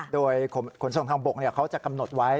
โดยขนส่งทางบกเขาจะกำหนดไว้